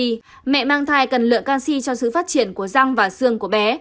vì mẹ mang thai cần lượng canxi cho sự phát triển của răng và xương của bé